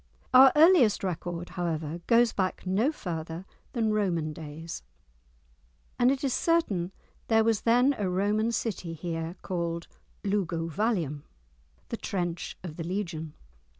Our earliest record, however, goes back no further than Roman days, and it is certain there was then a Roman city here called Luguvallium (the trench of the legion).